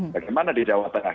bagaimana di jawa tengah